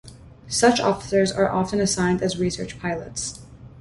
Such officers are often assigned as research pilots.